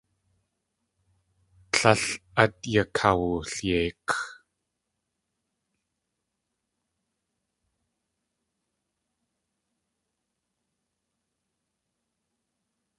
Tlél át yakawulyeik.